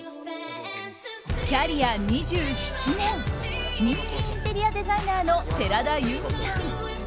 キャリア２７年人気インテリアデザイナーの寺田由実さん。